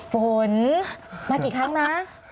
ฝนมากี่ครั้งนะ